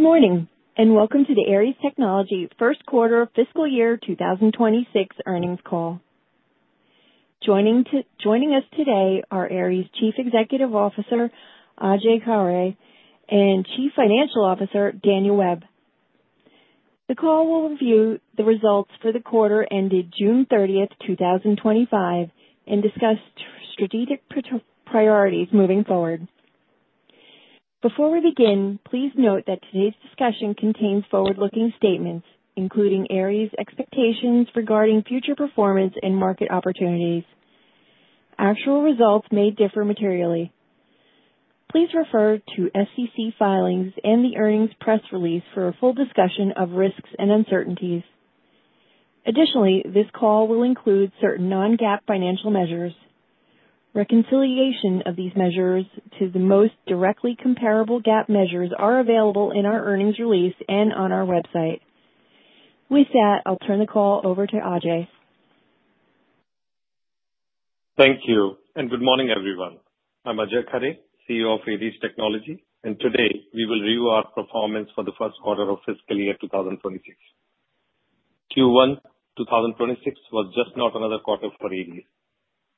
Good morning and welcome to the Aeries Technology First Quarter Fiscal Year 2026 Earnings Call. Joining us today are Aeries Technology Chief Executive Officer, Ajay Khare, and Chief Financial Officer, Daniel Webb. The call will review the results for the quarter ended June 30th, 2025, and discuss strategic priorities moving forward. Before we begin, please note that today's discussion contains forward-looking statements, including Aeries Technology's expectations regarding future performance and market opportunities. Actual results may differ materially. Please refer to SEC filings and the earnings press release for a full discussion of risks and uncertainties. Additionally, this call will include certain non-GAAP financial measures. Reconciliation of these measures to the most directly comparable GAAP measures is available in our earnings release and on our website. With that, I'll turn the call over to Ajay. Thank you, and good morning, everyone. I'm Ajay Khare, CEO of Aeries Technology, and today we will review our performance for the first quarter of fiscal year 2026. Q1 2026 was just not another quarter for Aeries Technologies.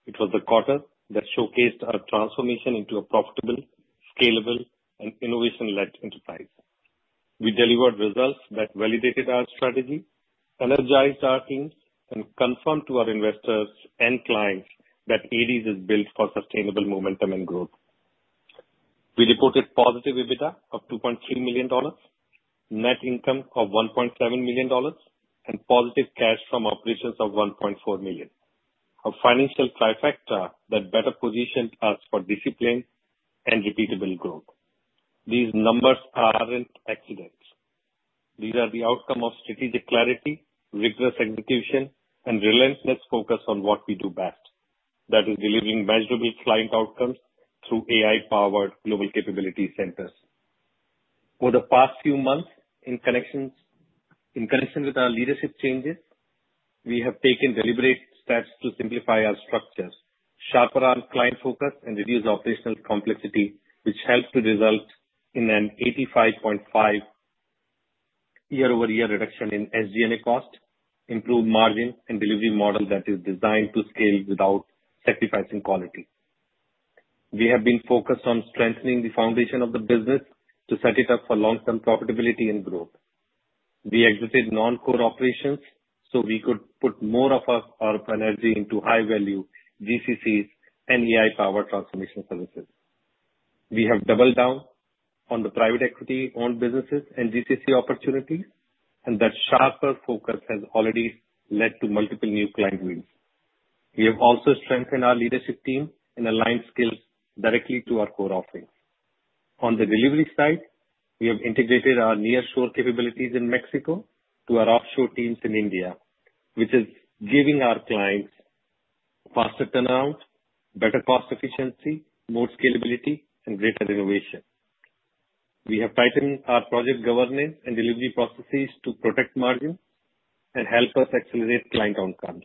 It was the quarter that showcased our transformation into a profitable, scalable, and innovation-led enterprise. We delivered results that validated our strategy, energized our teams, and confirmed to our investors and clients that Aeries Technologies is built for sustainable momentum and growth. We reported positive EBITDA of $2.3 million, net income of $1.7 million, and positive cash from operations of $1.4 million, a financial trifecta that better positioned us for discipline and repeatable growth. These numbers are not an accident. These are the outcome of strategic clarity, rigorous execution, and relentless focus on what we do best, that is delivering measurable client outcomes through AI-powered Global Capability Centers. Over the past few months, in connection with our leadership changes, we have taken deliberate steps to simplify our structure, sharpen our client focus, and reduce operational complexity, which helped to result in an 85.5% year-over-year reduction in SG&A expenses, improved margins, and delivered a model that is designed to scale without sacrificing quality. We have been focused on strengthening the foundation of the business to set it up for long-term profitability and growth. We exited non-core operations so we could put more of our energy into high-value GCCs and AI-powered transformation services. We have doubled down on the private equity-owned businesses and GCC opportunities, and that sharper focus has already led to multiple new client wins. We have also strengthened our leadership team and aligned skills directly to our core offering. On the delivery side, we have integrated our nearshore capabilities in Mexico to our offshore teams in India, which is giving our clients faster turnout, better cost efficiency, more scalability, and greater innovation. We have tightened our project governance and delivery processes to protect margins and help us accelerate client outcomes.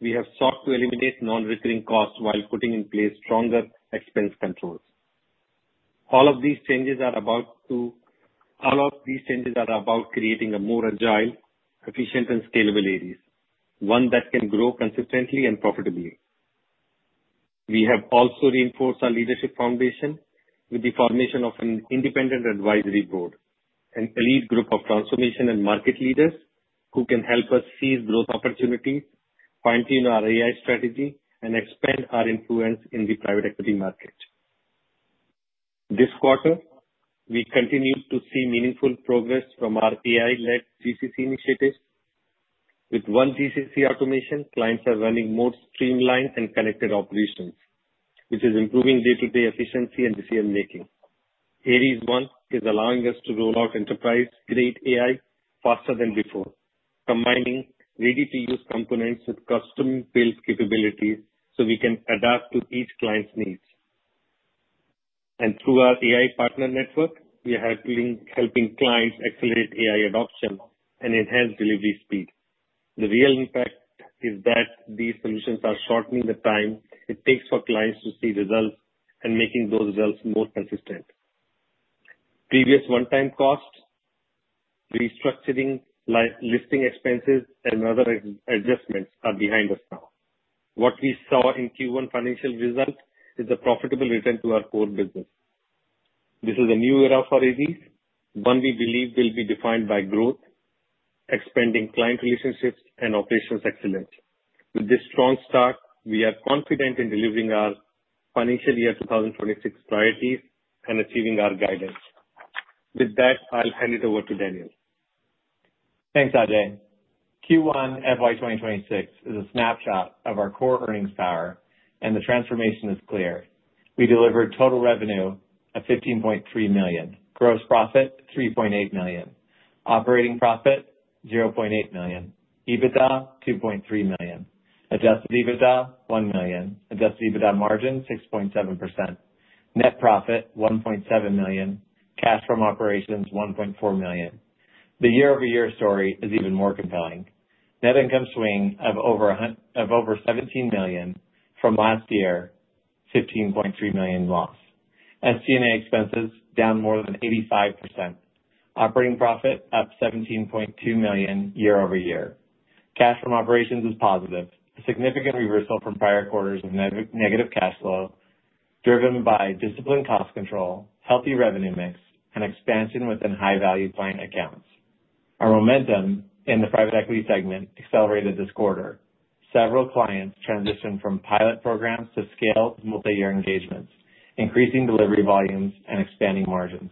We have sought to eliminate non-recurring costs while putting in place stronger expense controls. All of these changes are about creating a more agile, efficient, and scalable Aeries Technologies, one that can grow consistently and profitably. We have also reinforced our leadership foundation with the formation of an independent advisory board, an elite group of transformation and market leaders who can help us seize growth opportunities, fine-tune our AI strategy, and expand our influence in the private equity market. This quarter, we continue to see meaningful progress from our AI-led GCC initiatives. With one GCC automation, clients are running more streamlined and connected operations, which is improving day-to-day efficiency and decision-making. AeriesOne is allowing us to roll out enterprise-grade AI faster than before, combining ready-to-use components with custom-built capabilities so we can adapt to each client's needs. Through our AI partner network, we are helping clients accelerate AI adoption and enhance delivery speed. The real impact is that these solutions are shortening the time it takes for clients to see results and making those results more consistent. Previous one-time costs, restructuring, listing expenses, and other adjustments are behind us now. What we saw in Q1 financial results is a profitable return to our core business. This is a new era for Aeries Technology, one we believe will be defined by growth, expanding client relationships, and operational excellence. With this strong start, we are confident in delivering our financial year 2026 priorities and achieving our guidance. With that, I'll hand it over to Daniel. Thanks, Ajay. Q1 FY 2026 is a snapshot of our core earnings power, and the transformation is clear. We delivered total revenue at $15.3 million, gross profit $3.8 million, operating profit $0.8 million, EBITDA $2.3 million, adjusted EBITDA $1 million, adjusted EBITDA margin 6.7%, net profit $1.7 million, cash from operations $1.4 million. The year-over-year story is even more compelling. Net income swing of over $17 million from last year, $15.3 million loss. SG&A expenses down more than 85%. Operating profit up $17.2 million year-over-year. Cash from operations is positive, a significant reversal from prior quarters of negative cash flow, driven by disciplined cost control, healthy revenue mix, and expansion within high-value client accounts. Our momentum in the private equity segment accelerated this quarter. Several clients transitioned from pilot programs to scale multi-year engagements, increasing delivery volumes and expanding margins.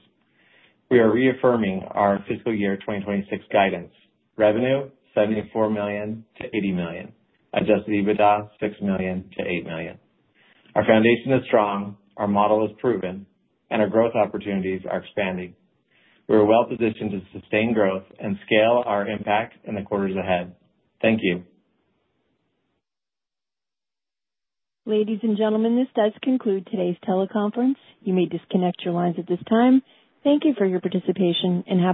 We are reaffirming our fiscal year 2026 guidance. Revenue $74 million-$80 million, adjusted EBITDA $6 million-$8 million. Our foundation is strong, our model is proven, and our growth opportunities are expanding. We are well positioned to sustain growth and scale our impact in the quarters ahead. Thank you. Ladies and gentlemen, this does conclude today's teleconference. You may disconnect your lines at this time. Thank you for your participation and have a great day.